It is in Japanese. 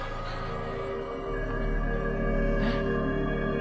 えっ？